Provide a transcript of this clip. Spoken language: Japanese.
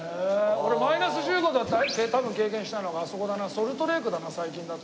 俺マイナス１５度は多分経験したのがあそこだなソルトレークだな最近だと。